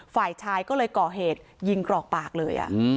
ฝ่ายชายก็เลยก่อเหตุยิงกรอกปากเลย